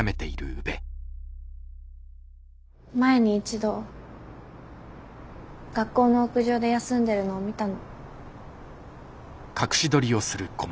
前に一度学校の屋上で休んでるのを見たの。